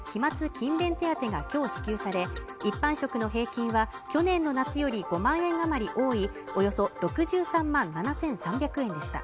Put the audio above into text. ・勤勉手当が今日支給され、一般職の平均は、去年の夏より５万円あまり多いおよそ６３万７３００円でした。